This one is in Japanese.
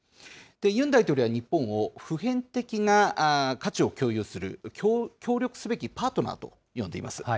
ユン大統領は日本を、普遍的な価値を共有する協力すべきパートナーと呼んでいます。